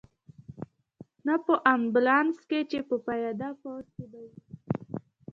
نه په امبولانس کې، چې په پیاده پوځ کې به وې.